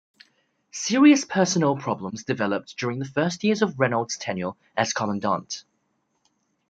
Serious personnel problems developed during the first years of Reynolds' tenure as commandant.